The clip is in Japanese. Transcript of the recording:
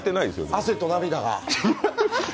汗と涙が。